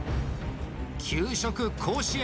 「給食甲子園」